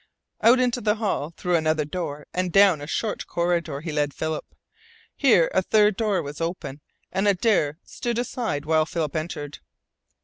Out into the hall, through another door, and down a short corridor, he led Philip. Here a third door was open, and Adare stood aside while Philip entered.